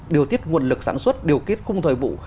điều tiết nguồn lực sản xuất điều tiết khung thời vụ